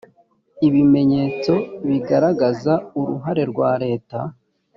ibimenyetso bigaragaza uruhare rwa leta